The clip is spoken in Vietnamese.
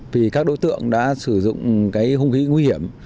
thì các đối tượng đã sử dụng cái hung khí nguy hiểm